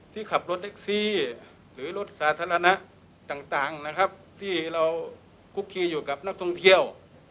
ที่ขับรถแท็กซี่หรือรถสาธารณะต่างนะครับที่เราคุกคีอยู่กับนักท่องเที่ยว